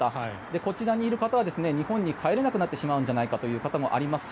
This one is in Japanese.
こちらにいる方は日本に帰れなくなってしまうんじゃないかということもありますし